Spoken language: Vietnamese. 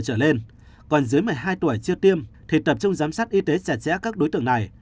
trở lên còn dưới một mươi hai tuổi chưa tiêm thì tập trung giám sát y tế chặt chẽ các đối tượng này